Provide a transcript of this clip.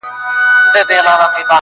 د حوصلې راته غوښتنه كوي,